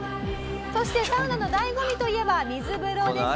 そしてサウナの醍醐味といえば水風呂ですが。